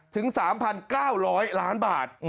๓๕๐๐ถึง๓๙๐๐ล้านบาท